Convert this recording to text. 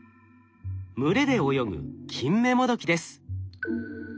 群れで泳ぐキンメモドキです。